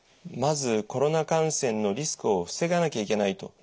まずコロナ感染のリスクを防がなきゃいけないと。